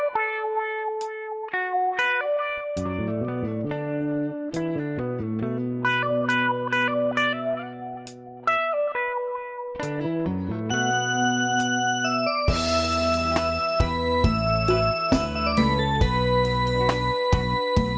เพลงที่๓มูลค่า๔๐๐๐๐บาท